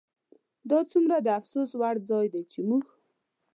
دا څومره د افسوس وړ ځای دی چې موږ